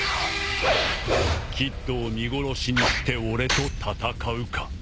キッドを見殺しにして俺と戦うか。